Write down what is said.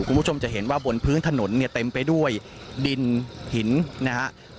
คุณผู้ชมจะเห็นว่าบนพื้นถนนเนี่ยเต็มไปด้วยดินหินนะครับ